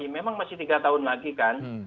memang masih tiga tahun lagi kan